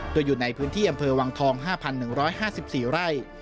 โดยอยู่ในพื้นที่อำเภอวังทอง๕๑๕๔ไร่